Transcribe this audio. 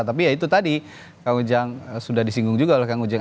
tapi ya itu tadi kang ujang sudah disinggung juga oleh kang ujang